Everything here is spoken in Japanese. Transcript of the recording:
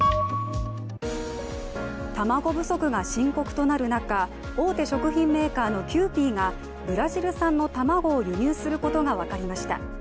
卵不足が深刻となる中大手食品メーカーのキユーピーがブラジル産の卵を輸入することが分かりました。